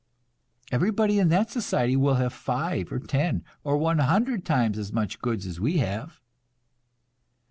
Everybody in that society will have five or ten or one hundred times as much goods as we have."